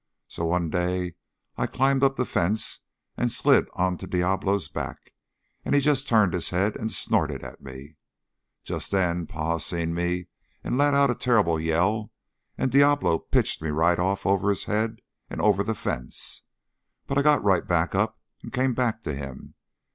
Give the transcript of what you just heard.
So one day I climbed up the fence and slid onto Diablo's back, and he just turned his head and snorted at me. Just then Pa seen me and let out a terrible yell, and Diablo pitched me right off over his head and over the fence. But I got right up and came back to him.